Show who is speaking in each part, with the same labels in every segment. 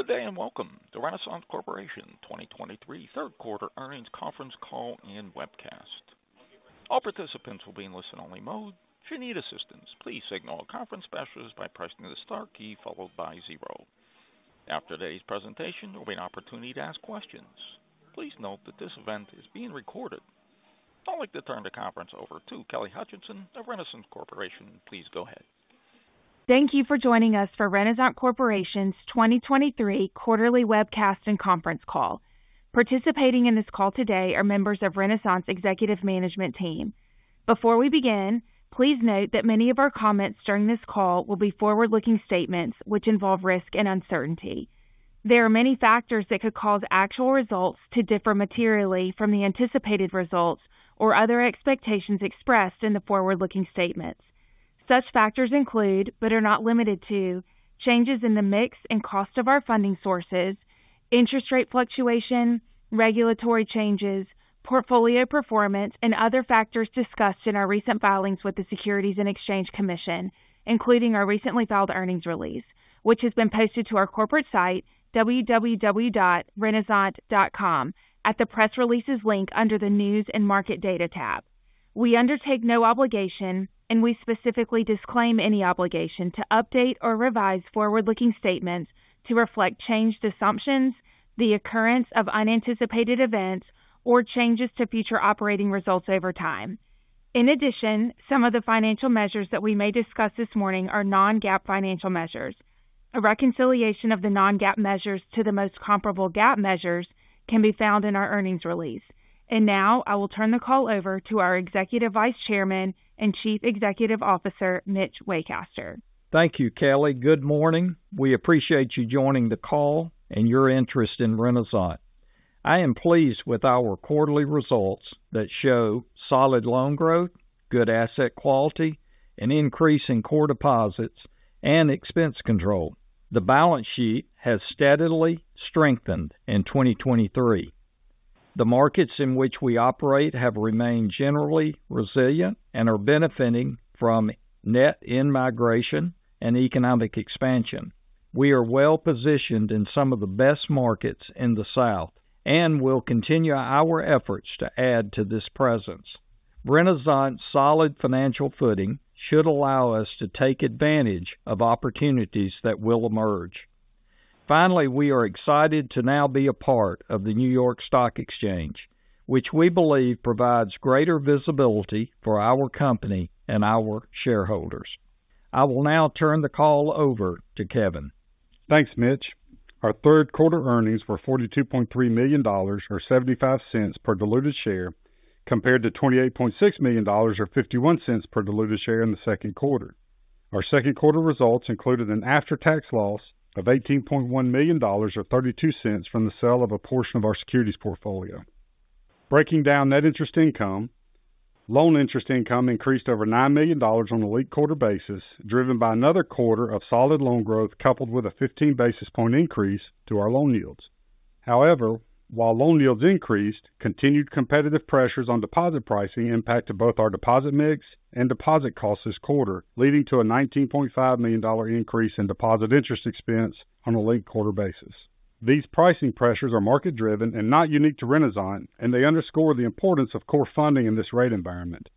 Speaker 1: Good day, and welcome to Renasant Corporation 2023 third quarter earnings conference call and webcast. All participants will be in listen-only mode. If you need assistance, please signal a conference specialist by pressing the star key followed by zero. After today's presentation, there will be an opportunity to ask questions. Please note that this event is being recorded. I'd like to turn the conference over to Kelly Hutcheson of Renasant Corporation. Please go ahead.
Speaker 2: Thank you for joining us for Renasant Corporation's 2023 quarterly webcast and conference call. Participating in this call today are members of Renasant's executive management team. Before we begin, please note that many of our comments during this call will be forward-looking statements which involve risk and uncertainty. There are many factors that could cause actual results to differ materially from the anticipated results or other expectations expressed in the forward-looking statements. Such factors include, but are not limited to, changes in the mix and cost of our funding sources, interest rate fluctuation, regulatory changes, portfolio performance, and other factors discussed in our recent filings with the Securities and Exchange Commission, including our recently filed earnings release, which has been posted to our corporate site, www.renasant.com, at the Press Releases link under the News and Market Data tab. We undertake no obligation, and we specifically disclaim any obligation to update or revise forward-looking statements to reflect changed assumptions, the occurrence of unanticipated events, or changes to future operating results over time. In addition, some of the financial measures that we may discuss this morning are non-GAAP financial measures. A reconciliation of the non-GAAP measures to the most comparable GAAP measures can be found in our earnings release. Now I will turn the call over to our Executive Vice Chairman and Chief Executive Officer, Mitch Waycaster.
Speaker 3: Thank you, Kelly. Good morning. We appreciate you joining the call and your interest in Renasant. I am pleased with our quarterly results that show solid loan growth, good asset quality, an increase in core deposits, and expense control. The balance sheet has steadily strengthened in 2023. The markets in which we operate have remained generally resilient and are benefiting from net in-migration and economic expansion. We are well positioned in some of the best markets in the South and will continue our efforts to add to this presence. Renasant's solid financial footing should allow us to take advantage of opportunities that will emerge. Finally, we are excited to now be a part of the New York Stock Exchange, which we believe provides greater visibility for our company and our shareholders. I will now turn the call over to Kevin.
Speaker 4: Thanks, Mitch. Our third quarter earnings were $42.3 million, or $0.75 per diluted share, compared to $28.6 million, or $0.51 per diluted share in the second quarter. Our second quarter results included an after-tax loss of $18.1 million, or $0.32 from the sale of a portion of our securities portfolio. Breaking down net interest income, loan interest income increased over $9 million on a linked-quarter basis, driven by another quarter of solid loan growth, coupled with a 15 basis point increase to our loan yields. However, while loan yields increased, continued competitive pressures on deposit pricing impacted both our deposit mix and deposit costs this quarter, leading to a $19.5 million dollar increase in deposit interest expense on a linked-quarter basis. These pricing pressures are market-driven and not unique to Renasant, and they underscore the importance of core funding in this rate environment.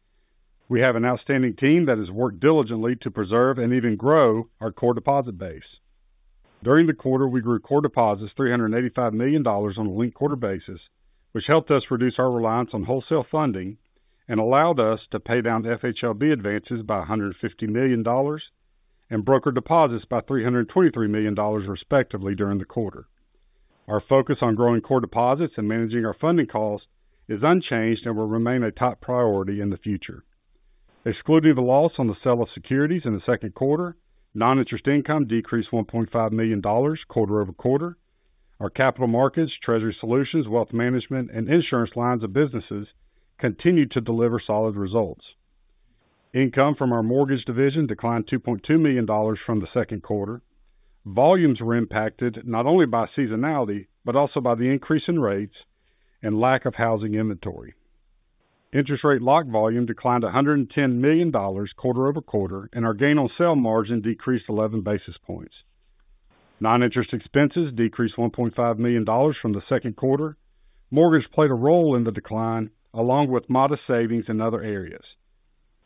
Speaker 4: We have an outstanding team that has worked diligently to preserve and even grow our core deposit base. During the quarter, we grew core deposits $385 million on a linked-quarter basis, which helped us reduce our reliance on wholesale funding and allowed us to pay down FHLB advances by $150 million and broker deposits by $323 million, respectively, during the quarter. Our focus on growing core deposits and managing our funding costs is unchanged and will remain a top priority in the future. Excluding the loss on the sale of securities in the second quarter, non-interest income decreased $1.5 million quarter-over-quarter. Our capital markets, treasury solutions, wealth management, and insurance lines of businesses continued to deliver solid results. Income from our mortgage division declined $2.2 million from the second quarter. Volumes were impacted not only by seasonality, but also by the increase in rates and lack of housing inventory. Interest rate lock volume declined $110 million quarter-over-quarter, and our gain on sale margin decreased 11 basis points. Non-interest expenses decreased $1.5 million from the second quarter. Mortgage played a role in the decline, along with modest savings in other areas.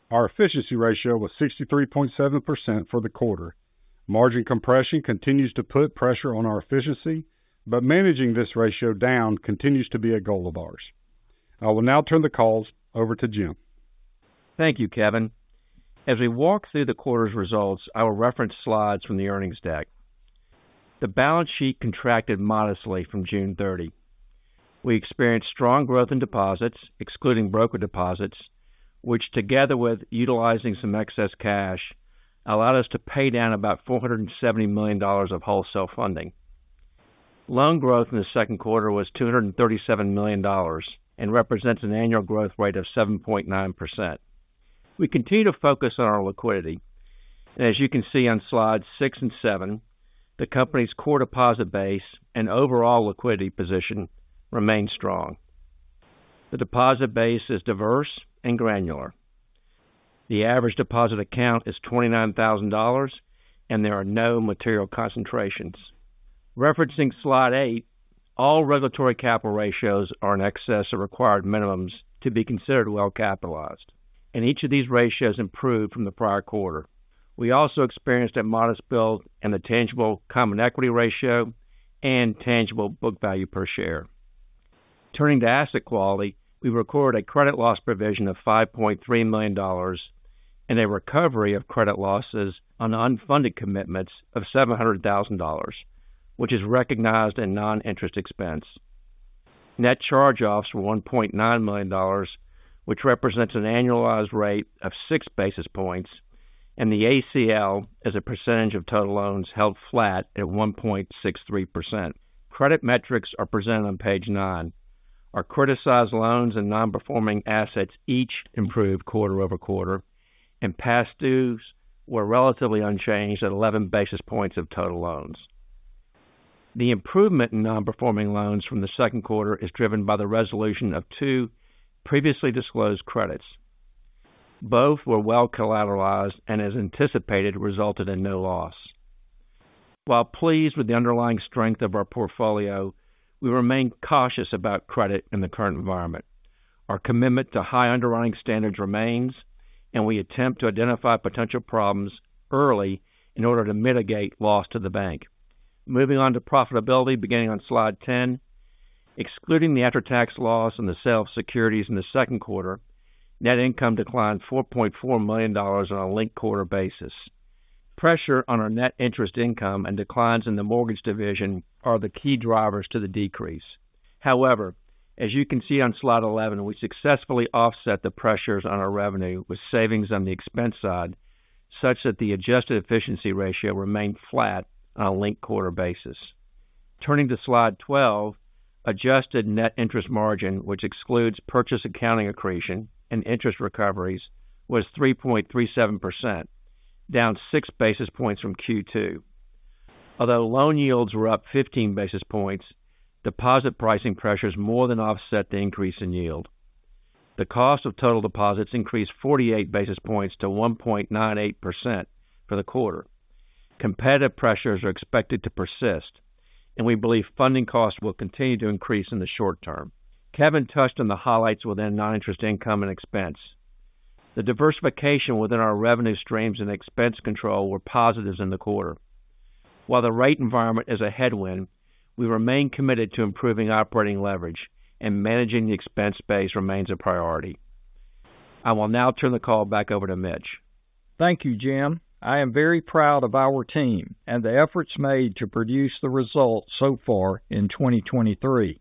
Speaker 4: Our efficiency ratio was 63.7% for the quarter. Margin compression continues to put pressure on our efficiency, but managing this ratio down continues to be a goal of ours. I will now turn the calls over to Jim.
Speaker 5: Thank you, Kevin. As we walk through the quarter's results, I will reference slides from the earnings deck. The balance sheet contracted modestly from June 30. We experienced strong growth in deposits, excluding broker deposits, which, together with utilizing some excess cash, allowed us to pay down about $470 million of wholesale funding. Loan growth in the second quarter was $237 million and represents an annual growth rate of 7.9%. We continue to focus on our liquidity, and as you can see on slides 6 and 7, the company's core deposit base and overall liquidity position remain strong. The deposit base is diverse and granular. The average deposit account is $29,000, and there are no material concentrations. Referencing slide 8, all regulatory capital ratios are in excess of required minimums to be considered well capitalized, and each of these ratios improved from the prior quarter. We also experienced a modest build in the tangible common equity ratio and tangible book value per share. Turning to asset quality, we recorded a credit loss provision of $5.3 million and a recovery of credit losses on unfunded commitments of $700,000, which is recognized in non-interest expense. Net charge-offs were $1.9 million, which represents an annualized rate of 6 basis points, and the ACL, as a percentage of total loans, held flat at 1.63%. Credit metrics are presented on page 9. Our criticized loans and non-performing assets each improved quarter over quarter, and past dues were relatively unchanged at 11 basis points of total loans. The improvement in non-performing loans from the second quarter is driven by the resolution of two previously disclosed credits. Both were well collateralized and, as anticipated, resulted in no loss. While pleased with the underlying strength of our portfolio, we remain cautious about credit in the current environment. Our commitment to high underwriting standards remains, and we attempt to identify potential problems early in order to mitigate loss to the bank. Moving on to profitability, beginning on slide 10. Excluding the after-tax loss and the sale of securities in the second quarter, net income declined $4.4 million on a linked-quarter basis. Pressure on our net interest income and declines in the mortgage division are the key drivers to the decrease. However, as you can see on slide 11, we successfully offset the pressures on our revenue with savings on the expense side, such that the adjusted efficiency ratio remained flat on a linked-quarter basis. Turning to slide 12, adjusted net interest margin, which excludes purchase accounting accretion and interest recoveries, was 3.37%, down 6 basis points from Q2. Although loan yields were up 15 basis points, deposit pricing pressures more than offset the increase in yield. The cost of total deposits increased 48 basis points to 1.98% for the quarter. Competitive pressures are expected to persist, and we believe funding costs will continue to increase in the short term. Kevin touched on the highlights within non-interest income and expense. The diversification within our revenue streams and expense control were positives in the quarter. While the rate environment is a headwind, we remain committed to improving operating leverage, and managing the expense base remains a priority. I will now turn the call back over to Mitch.
Speaker 3: Thank you, Jim. I am very proud of our team and the efforts made to produce the results so far in 2023.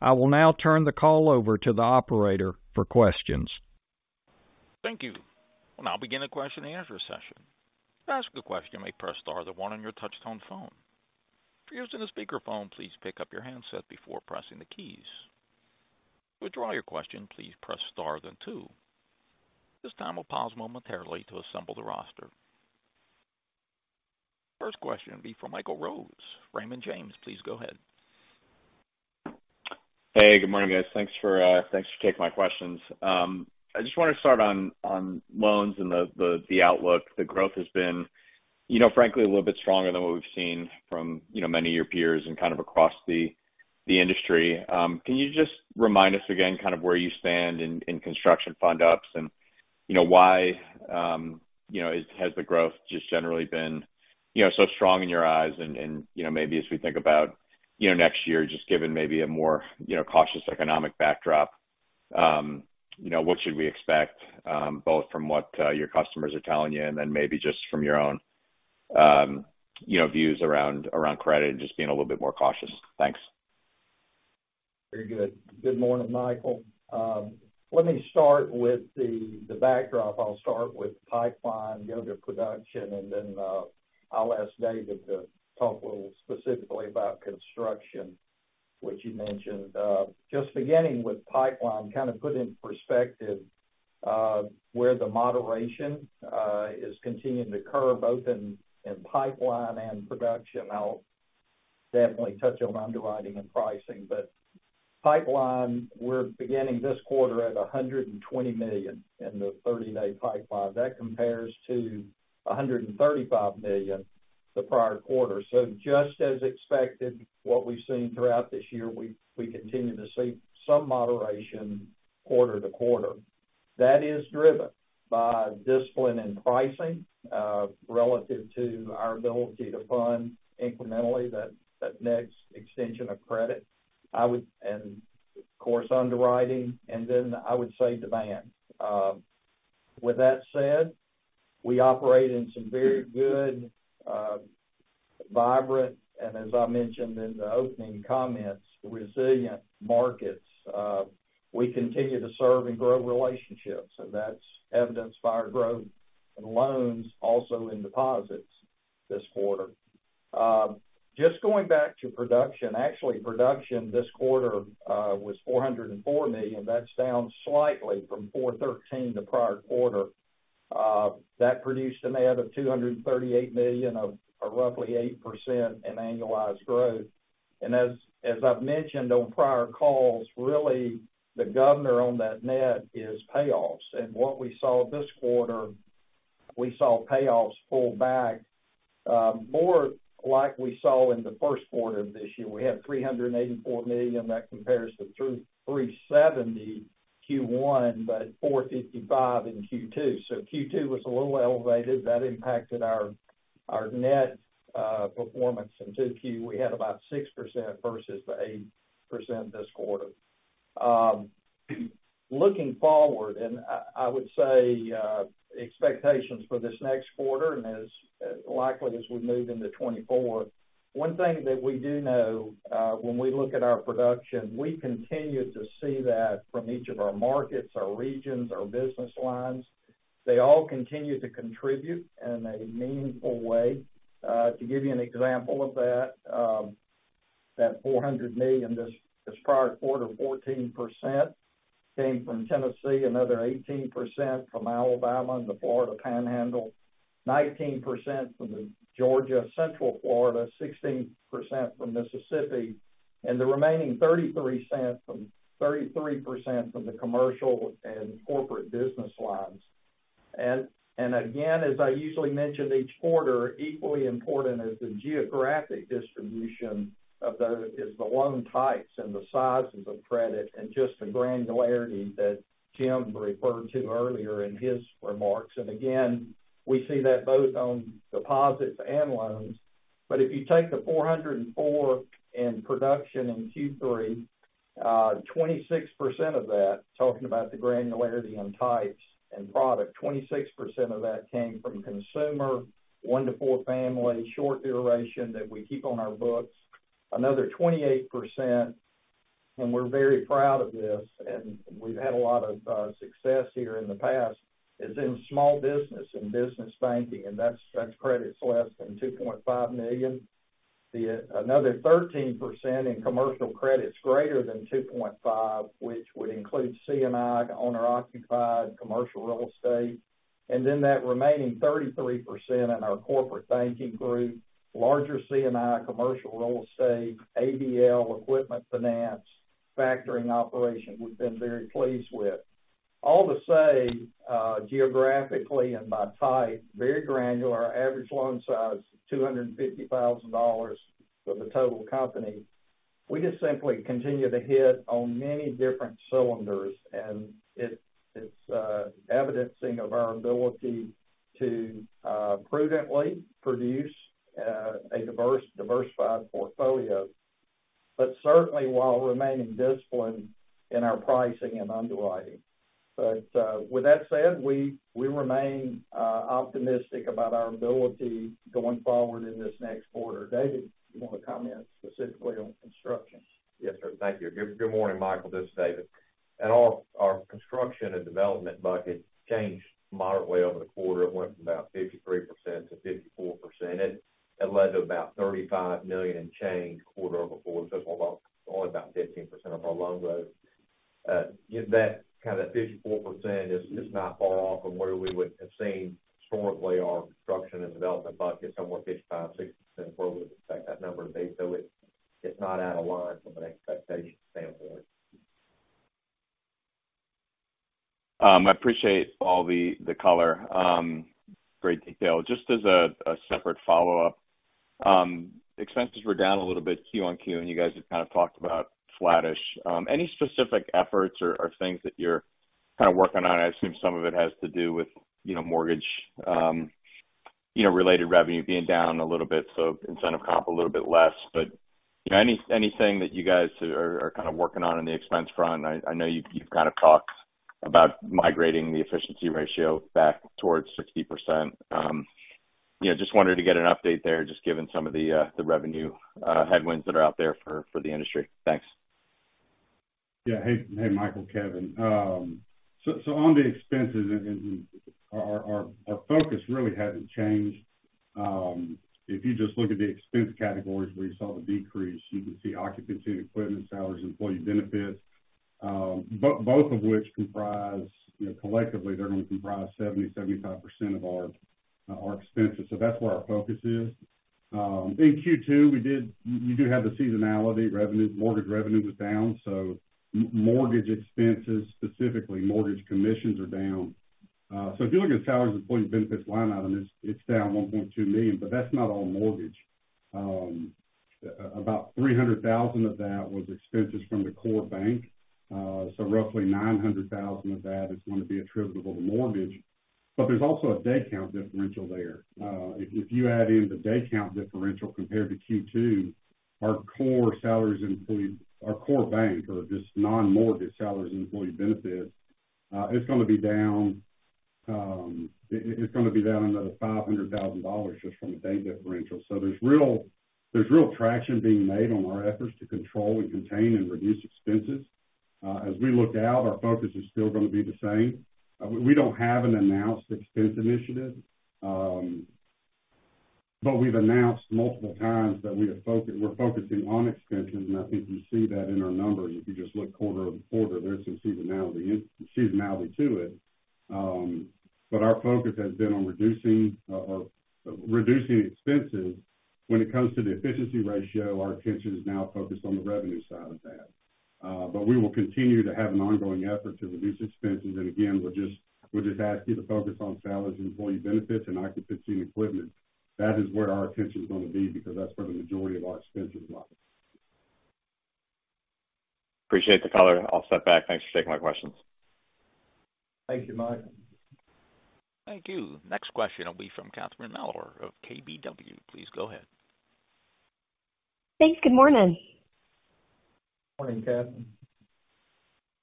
Speaker 3: I will now turn the call over to the operator for questions.
Speaker 1: Thank you. We'll now begin the question and answer session. To ask a question, you may press star then one on your touch-tone phone. If you're using a speakerphone, please pick up your handset before pressing the keys. To withdraw your question, please press star then two. This time, we'll pause momentarily to assemble the roster. First question will be from Michael Rose, Raymond James. Please go ahead.
Speaker 6: Hey, good morning, guys. Thanks for taking my questions. I just wanted to start on loans and the outlook. The growth has been, you know, frankly, a little bit stronger than what we've seen from, you know, many of your peers and kind of across the industry. Can you just remind us again, kind of where you stand in, in construction fund ups and, you know, why, you know, has, has the growth just generally been, you know, so strong in your eyes and, and, you know, maybe as we think about, you know, next year, just given maybe a more, you know, cautious economic backdrop, you know, what should we expect, both from what, your customers are telling you and then maybe just from your own, you know, views around, around credit and just being a little bit more cautious? Thanks.
Speaker 3: Very good. Good morning, Michael. Let me start with the backdrop. I'll start with pipeline, go to production, and then, I'll ask David to talk a little specifically about construction, which you mentioned. Just beginning with pipeline, kind of put in perspective, where the moderation is continuing to occur, both in pipeline and production. I'll definitely touch on underwriting and pricing, but pipeline, we're beginning this quarter at $120 million in the 30-day pipeline. That compares to $135 million the prior quarter. So just as expected, what we've seen throughout this year, we continue to see some moderation quarter to quarter. That is driven by discipline and pricing, relative to our ability to fund incrementally that next extension of credit. I would and of course, underwriting, and then I would say demand. With that said, we operate in some very good, vibrant, and as I mentioned in the opening comments, resilient markets. We continue to serve and grow relationships, and that's evidenced by our growth in loans, also in deposits this quarter. Just going back to production, actually, production this quarter was $404 million. That's down slightly from $413 the prior quarter. That produced an add of $238 million, or roughly 8% in annualized growth. And as I've mentioned on prior calls, really, the governor on that net is payoffs. And what we saw this quarter, we saw payoffs pull back, more like we saw in the first quarter of this year. We had $384 million. That compares to $370 Q1, but $455 in Q2. Q2 was a little elevated. That impacted our net performance in Q2. We had about 6% versus the 8% this quarter. Looking forward, and I would say expectations for this next quarter, and as likely as we move into 2024, one thing that we do know, when we look at our production, we continue to see that from each of our markets, our regions, our business lines, they all continue to contribute in a meaningful way. To give you an example of that, that $400 million, this prior quarter, 14% came from Tennessee, another 18% from Alabama and the Florida Panhandle, 19% from Georgia, Central Florida, 16% from Mississippi, and the remaining 33% from the commercial and corporate business lines. And again, as I usually mention each quarter, equally important as the geographic distribution of those is the loan types and the sizes of credit and just the granularity that Jim referred to earlier in his remarks. And again, we see that both on deposits and loans. But if you take the $404 million in production in Q3, 26% of that, talking about the granularity on types and product, 26% of that came from consumer, one-to-four family, short duration that we keep on our books. Another 28%, and we're very proud of this, and we've had a lot of success here in the past, is in small business and business banking, and that's credits less than $2.5 million. Another 13% in commercial credit is greater than 2.5, which would include C&I, owner-occupied, commercial real estate, and then that remaining 33% in our corporate banking group, larger C&I, commercial real estate, ABL, equipment finance, factoring operations, we've been very pleased with. All to say, geographically and by type, very granular, our average loan size $250,000 for the total company. We just simply continue to hit on many different cylinders, and it's evidencing of our ability to prudently produce a diversified portfolio, but certainly while remaining disciplined in our pricing and underwriting. But with that said, we remain optimistic about our ability going forward in this next quarter. David, you want to comment specifically on construction?
Speaker 7: Yes, sir. Thank you. Good morning, Michael, this is David. At all, our construction and development bucket changed moderately over the quarter. It went from about 53% to 54%. It led to about $35 million in change quarter-over-quarter, so it's about only about 15% of our loan growth. That kind of 54% is not far off from where we would have seen historically our construction and development bucket, somewhere 55%-60% where we expect that number to be. So it's not out of line from an expectation standpoint.
Speaker 6: I appreciate all the color, great detail. Just as a separate follow-up, expenses were down a little bit Q-on-Q, and you guys have kind of talked about flattish. Any specific efforts or things that you're kind of working on? I assume some of it has to do with, you know, mortgage, you know, related revenue being down a little bit, so incentive comp, a little bit less. But, you know, anything that you guys are kind of working on in the expense front. I know you've kind of talked about migrating the efficiency ratio back towards 60%. You know, just wanted to get an update there, just given some of the revenue headwinds that are out there for the industry. Thanks.
Speaker 4: Yeah. Hey, hey, Michael, Kevin. So on the expenses and our focus really hasn't changed. If you just look at the expense categories where you saw the decrease, you can see occupancy and equipment, salaries, employee benefits, both of which comprise, you know, collectively, they're going to comprise 75% of our expenses. So that's where our focus is. In Q2, you do have the seasonality. Revenue, mortgage revenue was down, so mortgage expenses, specifically mortgage commissions, are down. So if you look at the salaries, employee benefits line item, it's down $1.2 million, but that's not all mortgage. About $300,000 of that was expenses from the core bank. So roughly $900,000 of that is going to be attributable to mortgage. But there's also a day count differential there. If, if you add in the day count differential compared to Q2, our core bank or just non-mortgage salaries, employee benefits, it's gonna be down, it's gonna be down another $500,000 just from the day differential. So there's real, there's real traction being made on our efforts to control and contain and reduce expenses. As we look out, our focus is still gonna be the same. We, we don't have an announced expense initiative, but we've announced multiple times that we are we're focusing on expenses, and I think you see that in our numbers. If you just look quarter-over-quarter, there's some seasonality, seasonality to it. But our focus has been on reducing or reducing expenses. When it comes to the efficiency ratio, our attention is now focused on the revenue side of that. But we will continue to have an ongoing effort to reduce expenses, and again, we're just asking you to focus on salaries and employee benefits and occupancy and equipment. That is where our attention is going to be, because that's where the majority of our expenses lie.
Speaker 6: Appreciate the color. I'll step back. Thanks for taking my questions.
Speaker 4: Thank you, Mike.
Speaker 1: Thank you. Next question will be from Catherine Mealor of KBW. Please go ahead.
Speaker 8: Thanks. Good morning.
Speaker 5: Morning, Catherine.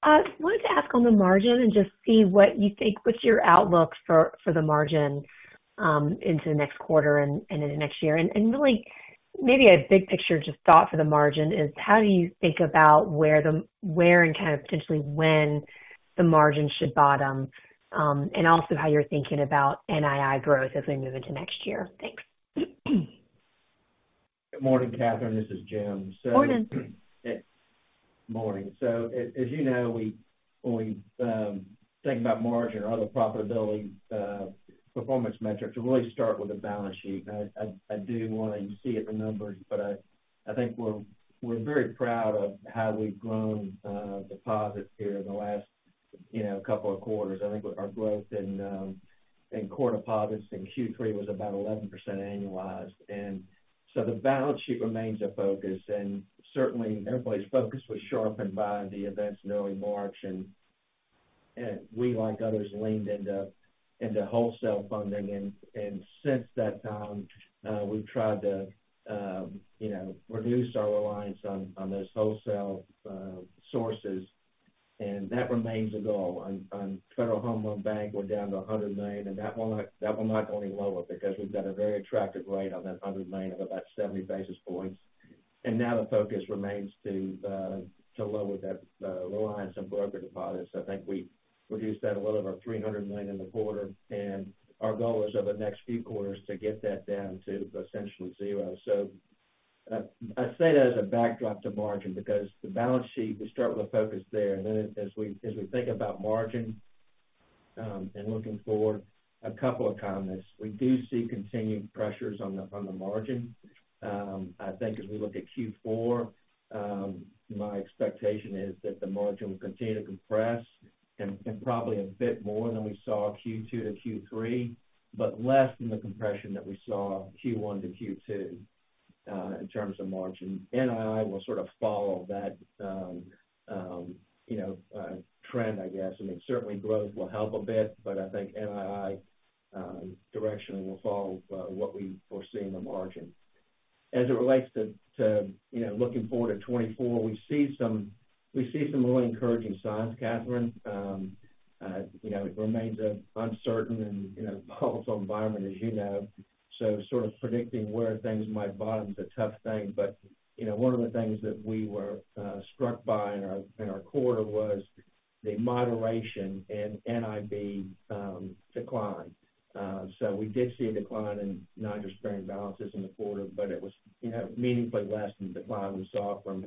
Speaker 8: Wanted to ask on the margin and just see what you think, what's your outlook for the margin into the next quarter and into next year? And really, maybe a big picture, just thought for the margin is, how do you think about where and kind of potentially when the margin should bottom? And also how you're thinking about NII growth as we move into next year? Thanks.
Speaker 5: Good morning, Catherine. This is Jim. So-
Speaker 8: Morning.
Speaker 5: Morning. So as you know, we, when we think about margin or other profitability performance metrics, we really start with the balance sheet. I do want to see at the numbers, but I think we're very proud of how we've grown deposits here in the last, you know, couple of quarters. I think our growth in core deposits in Q3 was about 11% annualized. So the balance sheet remains a focus, and certainly, everybody's focus was sharpened by the events in early March, and we, like others, leaned into wholesale funding. And since that time, we've tried to, you know, reduce our reliance on those wholesale sources, and that remains a goal. Federal Home Loan Bank, we're down to $100 million, and that will not only lower because we've got a very attractive rate on that $100 million of about 70 basis points. Now the focus remains to lower that reliance on broker deposits. I think we reduced that a little over $300 million in the quarter, and our goal is, over the next few quarters, to get that down to essentially zero. So, I say that as a backdrop to margin because the balance sheet, we start with a focus there. And then as we think about margin and looking forward, a couple of comments. We do see continued pressures on the margin. I think as we look at Q4, my expectation is that the margin will continue to compress and probably a bit more than we saw Q2 to Q3, but less than the compression that we saw Q1 to Q2 in terms of margin. NII will sort of follow that, you know, trend, I guess. I mean, certainly growth will help a bit, but I think NII directionally will follow what we foresee in the margin. As it relates to you know, looking forward to 2024, we see some, we see some really encouraging signs, Catherine. You know, it remains uncertain and you know, volatile environment, as you know, so sort of predicting where things might bottom is a tough thing. But, you know, one of the things that we were struck by in our quarter was the moderation in NIB decline. So we did see a decline in non-interest bearing balances in the quarter, but it was, you know, meaningfully less than the decline we saw from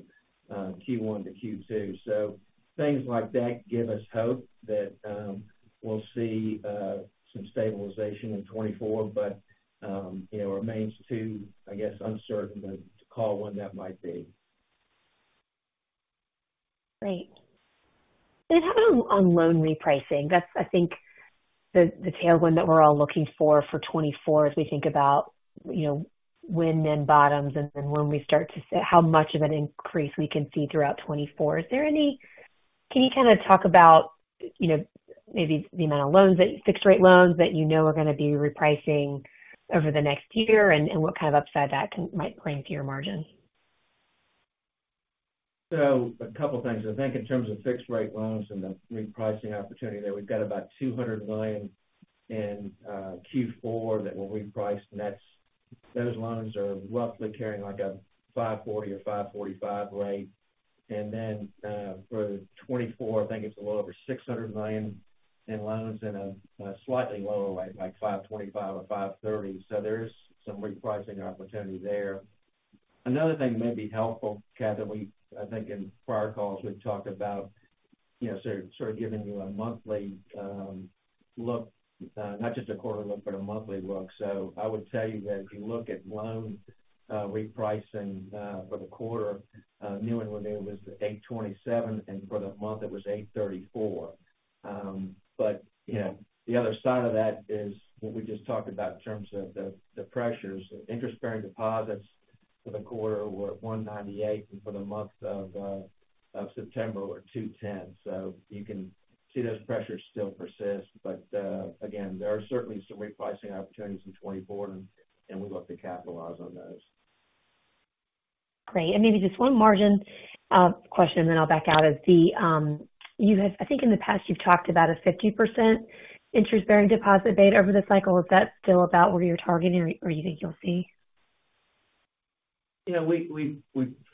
Speaker 5: Q1 to Q2. So things like that give us hope that we'll see some stabilization in 2024, but it remains too, I guess, uncertain to call when that might be.
Speaker 8: Great. And how about on loan repricing? That's, I think, the tailwind that we're all looking for, for 2024 as we think about, you know, when then bottoms and then when we start to see how much of an increase we can see throughout 2024. Is there any—can you kind of talk about, you know, maybe the amount of loans that—fixed rate loans that you know are going to be repricing over the next year and, and what kind of upside that can, might play into your margin?
Speaker 5: So a couple of things. I think in terms of fixed rate loans and the repricing opportunity there, we've got about $200 million in Q4 that will reprice, and that's, those loans are roughly carrying, like, a 5.40% or 5.45% rate. And then for 2024, I think it's a little over $600 million in loans at a slightly lower rate, like 5.25% or 5.30%. So there is some repricing opportunity there. Another thing that may be helpful, Catherine, we—I think in prior calls, we've talked about, you know, sort of giving you a monthly look not just a quarter look, but a monthly look. So I would tell you that if you look at loan repricing for the quarter new and renewed was 8.27%, and for the month, it was 8.34%. But, you know, the other side of that is what we just talked about in terms of the pressures. Interest-bearing deposits for the quarter were 1.98%, and for the month of September were 2.10%. So you can see those pressures still persist, but again, there are certainly some repricing opportunities in 2024, and we look to capitalize on those.
Speaker 8: Great. And maybe just one margin question, and then I'll back out. Is the, you guys—I think in the past, you've talked about a 50% interest-bearing deposit beta over the cycle. Is that still about where you're targeting or, or you think you'll see?
Speaker 5: You know, we've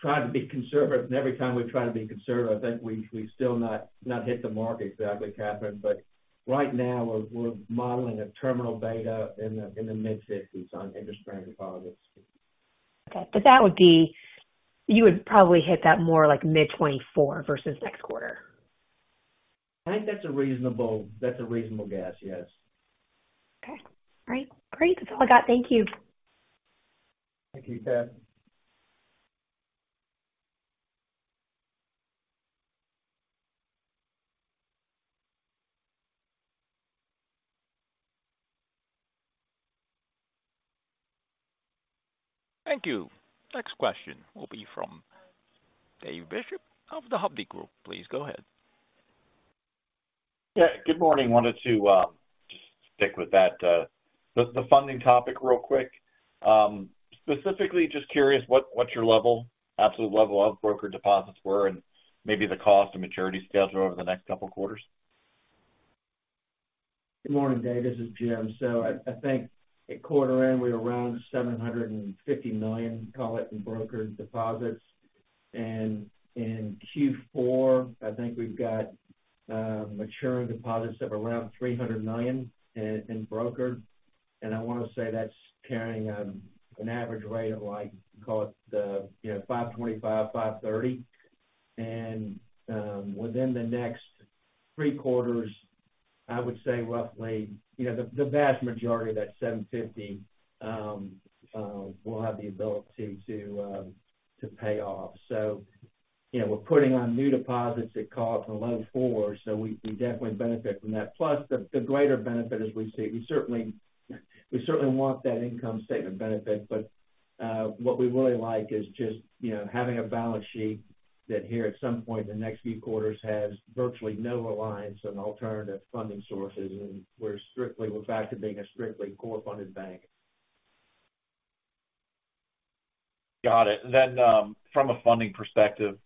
Speaker 5: tried to be conservative, and every time we try to be conservative, I think we've still not hit the mark exactly, Catherine. But right now, we're modeling a terminal beta in the mid-50s on interest-bearing deposits.
Speaker 8: Okay, but that would be, you would probably hit that more like mid-2024 versus next quarter?
Speaker 5: I think that's a reasonable, that's a reasonable guess, yes.
Speaker 8: Okay, great. Great, that's all I got. Thank you.
Speaker 5: Thank you, Catherine.
Speaker 1: Thank you. Next question will be from Dave Bishop of Hovde Group. Please go ahead.
Speaker 9: Yeah, good morning. Wanted to just stick with that, the funding topic real quick. Specifically, just curious, what's your level, absolute level of brokered deposits were, and maybe the cost and maturity schedule over the next couple quarters?
Speaker 5: Good morning, Dave, this is Jim. So I think at quarter end, we're around $750 million, call it, in brokered deposits. And in Q4, I think we've got maturing deposits of around $300 million in brokered. And I wanna say that's carrying an average rate of, like, call it, you know, 5.25%-5.30%. And within the next three quarters, I would say roughly, you know, the vast majority of that $750 million we'll have the ability to pay off. So, you know, we're putting on new deposits that call it low fours, so we definitely benefit from that. Plus, the greater benefit as we see, we certainly want that income statement benefit, but what we really like is just, you know, having a balance sheet that, here at some point in the next few quarters, has virtually no reliance on alternative funding sources, and we're strictly—we're back to being a strictly core funded bank.
Speaker 9: Got it. Then, from a funding perspective,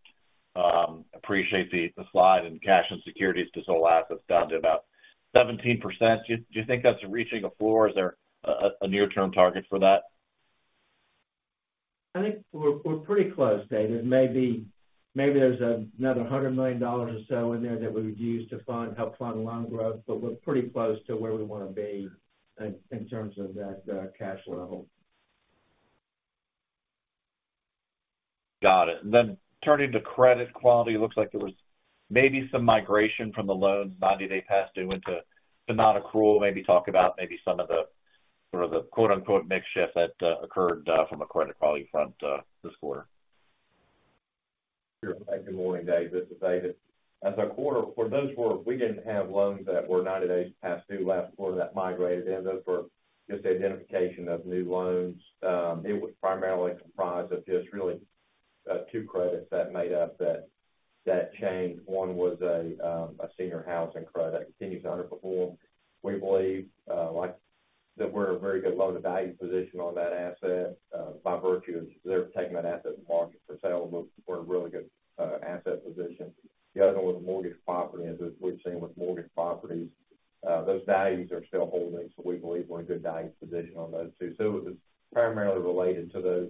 Speaker 9: appreciate the slide and cash and securities to total assets down to about 17%. Do you think that's reaching a floor? Is there a near-term target for that?
Speaker 5: I think we're pretty close, Dave. Maybe there's another $100 million or so in there that we would use to fund, help fund loan growth, but we're pretty close to where we wanna be in terms of that, cash level.
Speaker 9: Got it. And then turning to credit quality, it looks like there was maybe some migration from the loans 90-day past due into nonaccrual. Maybe talk about maybe some of the, sort of the, quote-unquote, "mix shift" that occurred from a credit quality front this quarter.
Speaker 7: Sure. Good morning, Dave. This is David. As a quarter, for those four, we didn't have loans that were 90 days past due last quarter that migrated in. Those were just the identification of new loans. It was primarily comprised of just really two credits that made up that change. One was a senior housing credit that continues to underperform. We believe, like, that we're in a very good loan-to-value position on that asset by virtue of their taking that asset to market for sale. We're in a really good asset position. The other one was a mortgage property, and as we've seen with mortgage properties, those values are still holding, so we believe we're in a good value position on those two. So it was primarily related to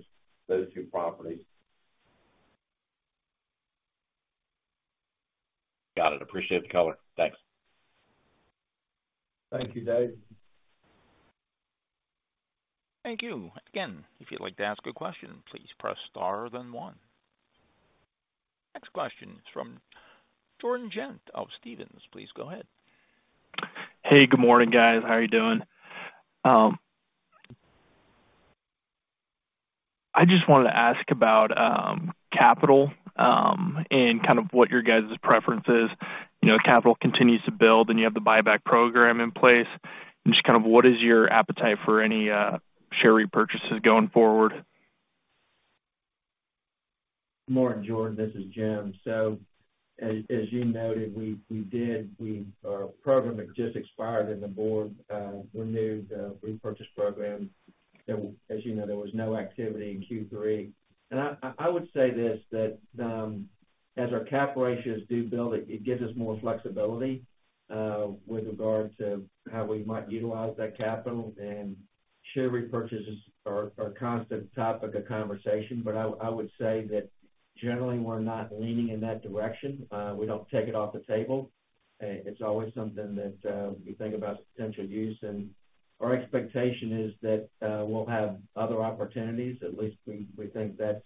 Speaker 7: those two properties.
Speaker 9: Got it. Appreciate the color. Thanks.
Speaker 7: Thank you, Dave.
Speaker 1: Thank you. Again, if you'd like to ask a question, please press star then one. Next question is from Jordan Ghent of Stephens. Please go ahead.
Speaker 10: Hey, good morning, guys. How are you doing? I just wanted to ask about capital, and kind of what your guys' preference is. You know, capital continues to build, and you have the buyback program in place. Just kind of what is your appetite for any share repurchases going forward?
Speaker 5: Good morning, Jordan, this is Jim. So as you noted, we did—our program had just expired, and the board renewed the repurchase program. So as you know, there was no activity in Q3. And I would say this, that as our capital ratios do build, it gives us more flexibility with regard to how we might utilize that capital. And share repurchases are a constant topic of conversation, but I would say that generally, we're not leaning in that direction. We don't take it off the table. It's always something that we think about its potential use, and our expectation is that we'll have other opportunities. At least we, we think that's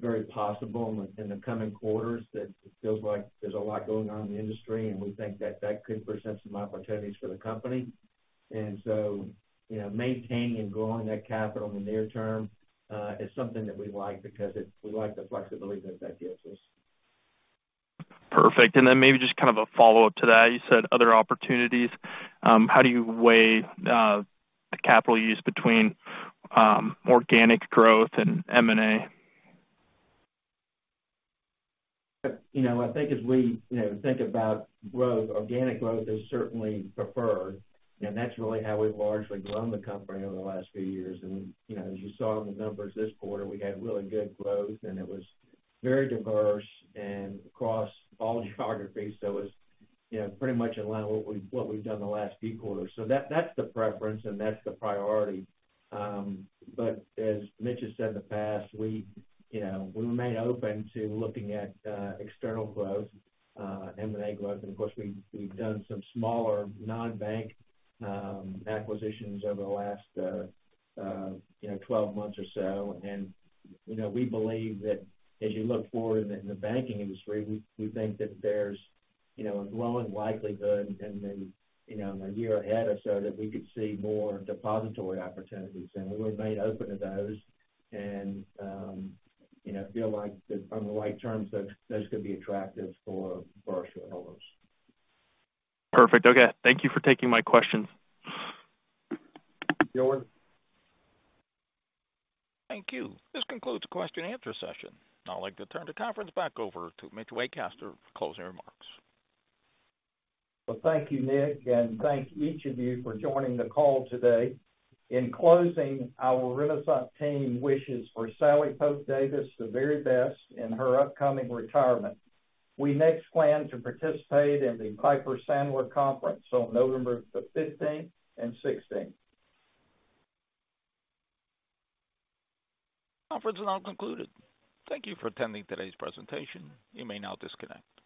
Speaker 5: very possible in the coming quarters, that it feels like there's a lot going on in the industry, and we think that that could present some opportunities for the company. And so, you know, maintaining and growing that capital in the near term is something that we like because we like the flexibility that that gives us.
Speaker 10: Perfect. And then maybe just kind of a follow-up to that. You said other opportunities. How do you weigh the capital use between organic growth and M&A?
Speaker 5: You know, I think as we, you know, think about growth, organic growth is certainly preferred, and that's really how we've largely grown the company over the last few years. And, you know, as you saw in the numbers this quarter, we had really good growth, and it was very diverse and across all geographies. So it's, you know, pretty much in line with what we've done in the last few quarters. So that, that's the preference and that's the priority. But as Mitch has said in the past, we, you know, we remain open to looking at external growth, M&A growth. And of course, we, we've done some smaller non-bank acquisitions over the last, you know, 12 months or so. You know, we believe that as you look forward in the banking industry, we think that there's, you know, a growing likelihood in the, you know, in the year ahead or so, that we could see more depository opportunities, and we remain open to those. You know, feel like that on the right terms, those could be attractive for our shareholders.
Speaker 10: Perfect. Okay. Thank you for taking my questions.
Speaker 5: Thank you, Jordan.
Speaker 1: Thank you. This concludes the question and answer session. I'd like to turn the conference back over to Mitch Waycaster for closing remarks.
Speaker 3: Well, thank you, Nick, and thank each of you for joining the call today. In closing, our Renasant team wishes for Sally Pope Davis the very best in her upcoming retirement. We next plan to participate in the Piper Sandler conference on November the 15th and 16th.
Speaker 1: Conference is now concluded. Thank you for attending today's presentation. You may now disconnect.